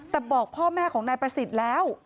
แต่บอกพ่อแม่ของนายประสิทธิ์แล้ว